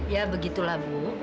ya begitulah bu